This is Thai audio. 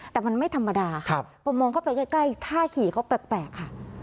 แต่มันไม่ธรรมดาครับครับผมมองเข้าไปใกล้ใกล้ท่าขี่เขาแปลกแปลกค่ะ